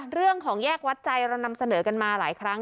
เรื่องของแยกวัดใจเรานำเสนอกันมาหลายครั้ง